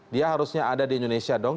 dia harusnya ada di indonesia dong